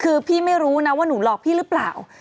คือพี่ไม่รู้นะว่าหนูหลอกพี่หรือเปล่า